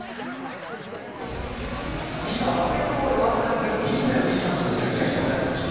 ＦＩＢＡバスケットボールワールドカップ２０２３の準決勝です。